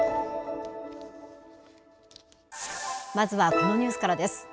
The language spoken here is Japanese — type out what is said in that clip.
まずはこのニュースからです。